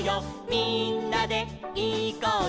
みんなでいこうよ」